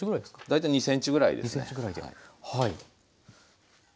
大体２ｃｍぐらいですね。